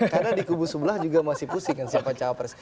karena di kubu sebelah juga masih pusing siapa cawapres